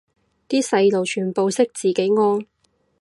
啲細路全部識自己屙